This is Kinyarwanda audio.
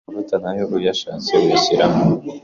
n’amavuta nayo ubishatse uyashyiramo